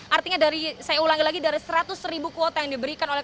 artinya dari saya ulangi lagi dari seratus ribu kuota yang diberikan oleh